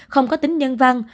không có tính nhân văn